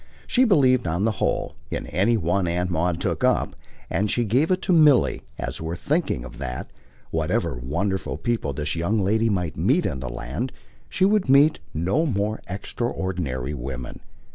She believed, on the whole, in any one Aunt Maud took up; and she gave it to Milly as worth thinking of that, whatever wonderful people this young lady might meet in the land, she would meet no more extraordinary woman.